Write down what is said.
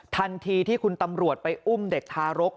ทันทีที่คุณตำรวจไปอุ้มเด็กทารก